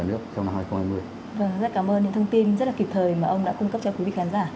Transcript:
vâng rất cảm ơn những thông tin rất là kịp thời mà ông đã cung cấp cho quý vị khán giả